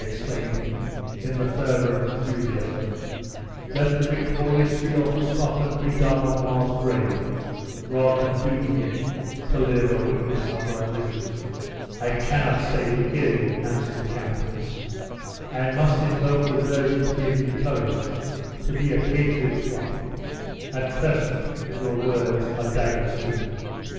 exclaimed he, in the fervor of enthusiasm, "let the victorious field for Scotland be Donald Mar's grave, rather than doom him to live a witness of her miseries!" "I cannot stay to hear you!" answered the countess; "I must invoke the Virgin to give me courage to be a patriot's wife; at present, your words are daggers to me."